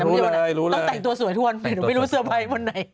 ต้องแต่งตัวสวยถ้วนไม่รู้สุขส่วนไหน